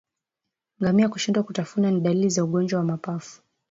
Ngamia kushindwa kutafuna ni dalili za ugonjwa wa mapafu